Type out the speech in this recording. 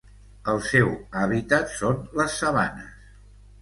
El seu hàbitat són les sabanes.